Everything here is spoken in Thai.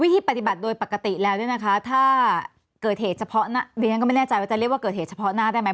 วิธีปฏิบัติโดยปกติแล้วถ้าเกิดเหตุเฉพาะหน้าเดี๋ยวก็ไม่แน่ใจว่าจะเรียกว่าเกิดเหตุเฉพาะหน้าได้ไหม